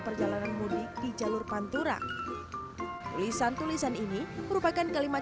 perjalanan mudik di jalur pantura tulisan tulisan ini merupakan kalimat